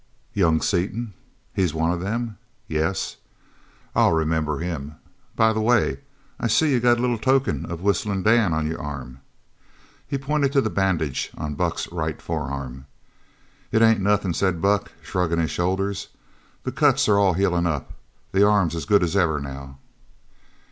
"Young Seaton." "He's one of them?" "Yes." "I'll remember him. By the way, I see you got a little token of Whistlin' Dan on your arm." He pointed to the bandage on Buck's right forearm. "It ain't nothin'," said Buck, shrugging his shoulders. "The cuts are all healin' up. The arm's as good as ever now."